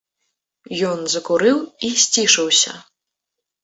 Ён закурыў і сцішыўся.